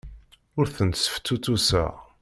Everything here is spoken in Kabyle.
Ur tent-sseftutuseɣ.